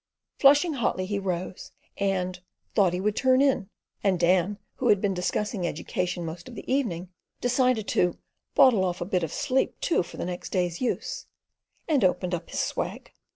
Flushing hotly, he rose, and "thought he would turn in"; and Dan, who had been discussing education most of the evening, decided to "bottle off a bit of sleep too for next day's use," and opened up his swag.